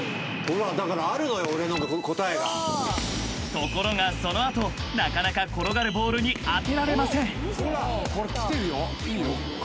［ところがその後なかなか転がるボールに当てられません］